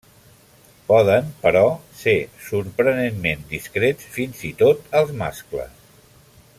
Poden, però, ser sorprenentment discrets, fins i tot els mascles.